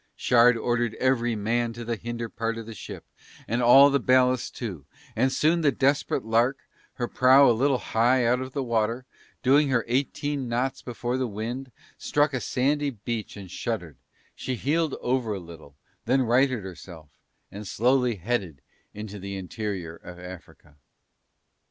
Shard ordered every man to the hinder part of the ship and all the ballast too; and soon the Desperate Lark, her prow a little high out of the water, doing her eighteen knots before the wind, struck a sandy beach and shuddered, she heeled over a little, then righted herself, and slowly headed into the interior of Africa.